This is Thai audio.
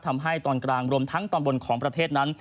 ทำให้ตอนกลางรวมทั้งตอนบนของประเทศนั้น